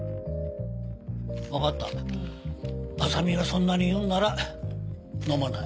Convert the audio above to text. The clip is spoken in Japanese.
分かった麻美がそんなに言うなら飲まない。